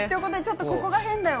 ここが変だよ